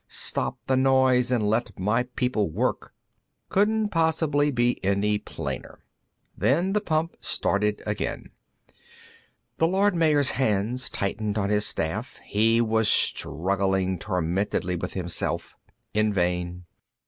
Stop the noise, and let my people work._ Couldn't possibly be any plainer. Then the pump started again. The Lord Mayor's hands tightened on the staff; he was struggling tormentedly with himself, in vain.